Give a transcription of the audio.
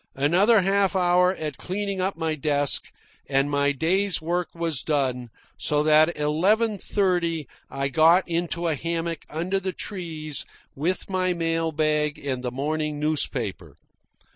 Another half hour at cleaning up my desk, and my day's work was done, so that at eleven thirty I got into a hammock under the trees with my mail bag and the morning newspaper.